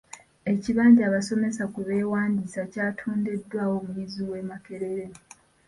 Ekibanja abasomsesa kwe beewandiisiza kyatondeddwawo omuyizi w'e Makerere.